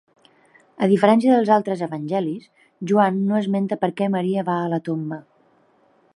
A diferència dels altres evangelis, Joan no esmenta per què Maria va a la tomba.